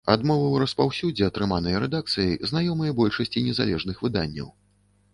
Адмовы ў распаўсюдзе, атрыманыя рэдакцыяй, знаёмыя большасці незалежных выданняў.